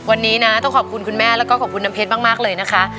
วันนี้นะต้องขอบคุณคุณแม่แล้วก็ขอบคุณน้ำเพชรมากเลยนะคะ